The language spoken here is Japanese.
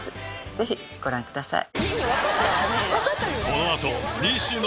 ぜひご覧ください。